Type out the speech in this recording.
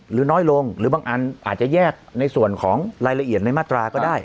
หรือน้อยลงหรือบางอันอาจจะแยกในส่วนของรายละเอียดในมาตราก็ได้